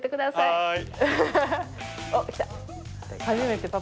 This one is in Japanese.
はい。